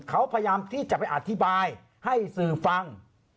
เขาพยายามที่จะไปอธิบายให้สื่อฟัง